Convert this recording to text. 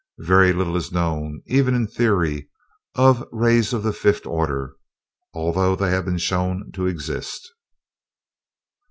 Very little is known, even in theory, of the rays of the fifth order, although they have been shown to exist."